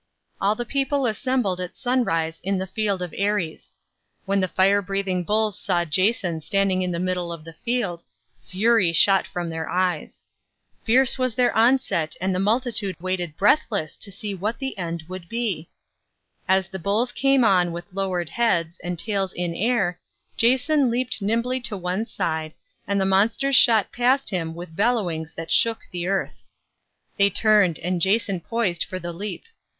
All the people assembled at sunrise in the field of Ares. When the fire breathing bulls saw Jason standing in the middle of the field, fury shot from their eyes. Fierce was their onset and the multitude waited breathless to see what the end would be. As the bulls came on with lowered heads, and tails in air, Jason leaped nimbly to one side, and the monsters shot past him with bellowings that shook the earth. They turned and Jason poised for the leap.